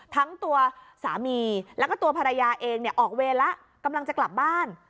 ทั้งตัวสามีแล้วก็ตัวภรรยาเองเนี่ยออกเวรแล้วกำลังจะกลับบ้าน